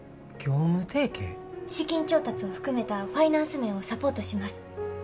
資金調達を含めたファイナンス面をサポートします。